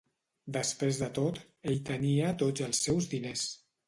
Després de tot, ell tenia tots els seus diners.